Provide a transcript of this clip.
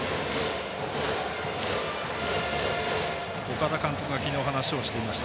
岡田監督が昨日、話をしていました。